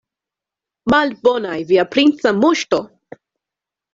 Malbonaj, via princa moŝto!